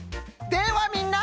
ではみんな！